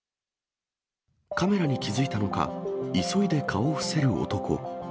カメラに気付いたのか、急いで顔を伏せる男。